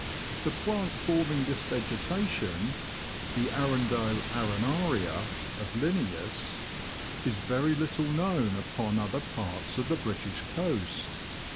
The plant forming this vegetation (the Arundo arenaria of Linnaeus) is very little known upon other parts of the British coast.